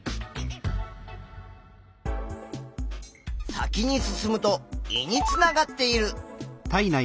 先に進むと胃につながっている。